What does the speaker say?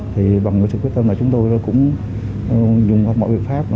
thì bằng sự quyết tâm chúng tôi cũng dùng mọi việc